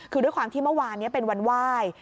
คือด้วยความที่เมื่อวานนี้เป็นวันไหว้